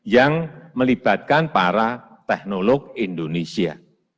yang melibatkan para teknolog indonesia